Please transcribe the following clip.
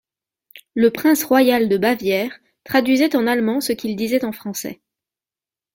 Le prince royal de Bavière traduisait en allemand ce qu'il disait en français.